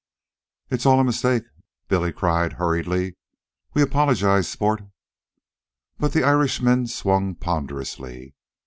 "It's all a mistake," Billy cried hurriedly. "We apologize, sport " The Irishman swung ponderously.